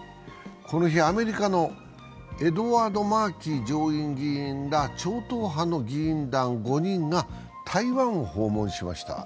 この日、アメリカのエドワード・マーキー上院議員ら超党派の議員団５人が台湾を訪問しました。